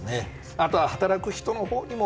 あとは働く人のほうにも。